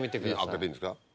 開けていいんですか？